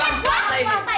paling paling bantu gue dah